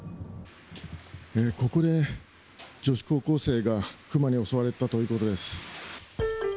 ここで女子高校生がクマに襲われたということです。